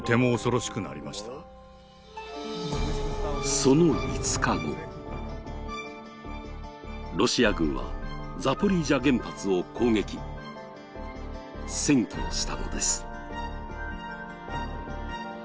その５日後、ロシア軍はザポリージャ原発を攻撃、占拠したのです。